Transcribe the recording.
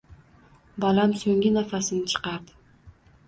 Bolam so`nggi nafasini chiqardi